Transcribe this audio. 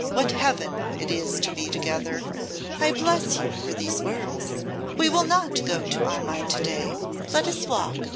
what heaven it is to be together!' 'I bless you for these words. We will not go to Armine to day. Let us walk.